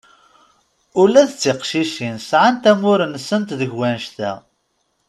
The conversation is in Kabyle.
Ula d tiqcicin sɛan-t amur-nsent deg wannect-a.